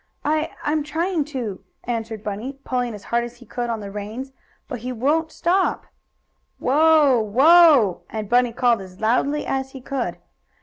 "I I'm trying to," answered Bunny, pulling as hard as he could on the reins. "But he won't stop. Whoa! Whoa!" and Bunny called as loudly as he could.